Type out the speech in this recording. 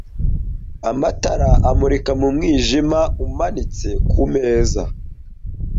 Amatara amurika mu mwijima umanitse kumeza